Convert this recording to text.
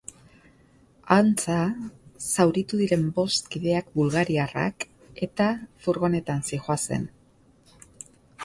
Antza zauritu diren bost kideak bulgariarrak, eta furgonetan zihoazen.